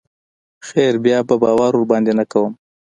خير بيا به باور ورباندې نه کوم.